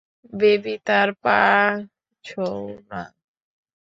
Baby, তার পা ছোও না।